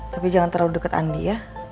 tapi jangan terlalu dekat andi ya